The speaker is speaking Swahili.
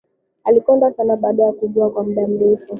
Alikonda sana baada ya kuugua kwa muda mrefu